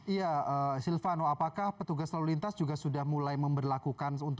iya silvano apakah petugas lalu lintas juga sudah mulai memperlakukan